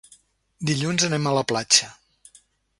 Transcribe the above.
Dilluns anem a la platja.